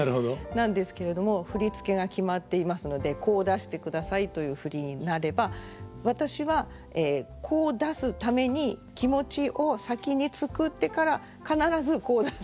なんですけれども振付が決まっていますのでこう出してくださいという振りになれば私はこう出すために気持ちを先に作ってから必ずこう出すっていう。